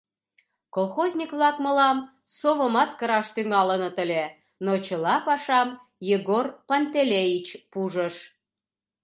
Колхозник-влак мылам совымат кыраш тӱҥалыныт ыле, но чыла пашам Егор Пантелеич пужыш.